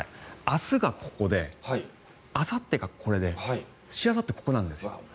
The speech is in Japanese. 明日がここであさってがこれでしあさって、ここなんです。